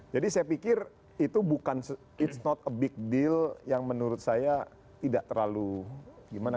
jadi saya pikir itu bukan it's not a big deal yang menurut saya tidak terlalu gimana